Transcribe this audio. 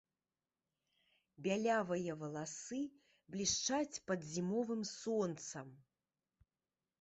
Бялявыя валасы блішчаць пад зімовым сонцам.